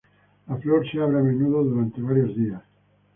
La flor se abre a menudo durante varios días.